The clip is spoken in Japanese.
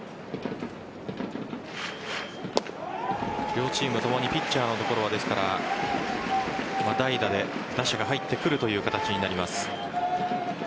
両チームともにピッチャーのところは代打で打者が入ってくるという形になります。